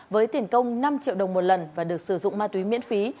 với tiền công năm triệu đồng một lần và được sử dụng ma túy miễn phí